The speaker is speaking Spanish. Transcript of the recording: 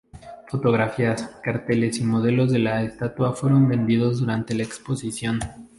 Fotografías, carteles y modelos de la estatua fueron vendidos durante la exposición.